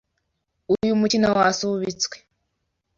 Uyu mukino wasubitswe.